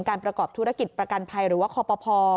ประกอบธุรกิจประกันภัยหรือว่าคอปภ